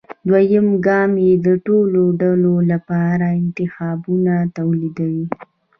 دویم ګام کې د ټولو ډلو لپاره انتخابونه توليدوي.